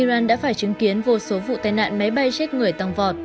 iran đã phải chứng kiến vô số vụ tai nạn máy bay chết người tăng vọt